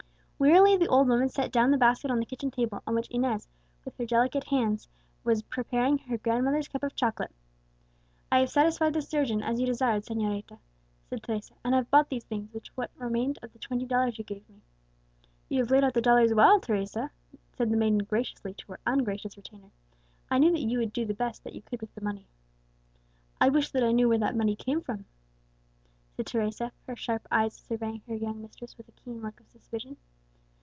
Wearily the old woman set down the basket on the kitchen table, on which Inez, with her delicate hands, was preparing her grandmother's cup of chocolate. "I have satisfied the surgeon, as you desired, señorita," said Teresa, "and have bought these things with what remained of the twenty dollars which you gave me." "You have laid out the dollars well, Teresa," said the maiden graciously to her ungracious retainer; "I knew that you would do the best that you could with the money." "I wish that I knew where that money came from," said Teresa, her sharp eyes surveying her young mistress with a keen look of suspicion.